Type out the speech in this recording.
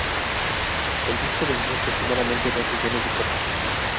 El disco vendió aproximadamente dos millones de copias.